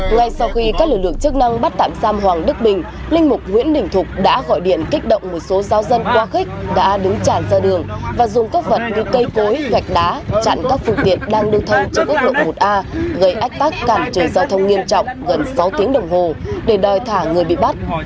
ngay sau khi các lực lượng chức năng bắt tạm giam hoàng đức bình linh mục nguyễn đình thục đã gọi điện kích động một số giao dân quá khích đã đứng chản ra đường và dùng các vật như cây cối gạch đá chặn các phương tiện đang đưa thông cho các lực lượng một a gây ách tác cản trừ giao thông nghiêm trọng gần sáu tiếng đồng hồ để đòi thả người bị bắt